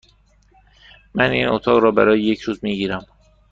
من این اتاق را برای یک روز می گیرم.